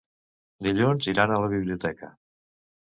Dilluns iran a la biblioteca.